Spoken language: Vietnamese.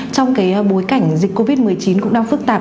trong bối cảnh dịch covid một mươi chín cũng đang phức tạp